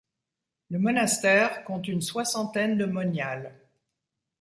Le monastère compte une soixantaine de moniales.